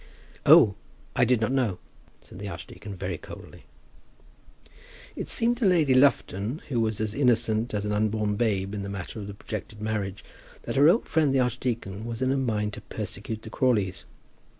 "Oh; I did not know," said the archdeacon very coldly. It seemed to Lady Lufton, who was as innocent as an unborn babe in the matter of the projected marriage, that her old friend the archdeacon was in a mind to persecute the Crawleys.